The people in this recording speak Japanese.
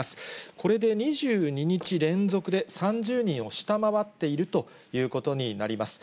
これで２２日連続で３０人を下回っているということになります。